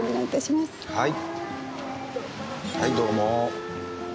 はいどうも。